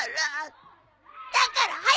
だから。